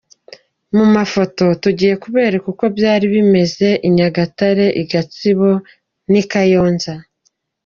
Mu mafoto tugiye kubereka uko byari bimeze i Nyagatare, i Gatsibo n'i Kayonza.